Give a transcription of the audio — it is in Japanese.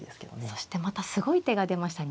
そしてまたすごい手が出ました。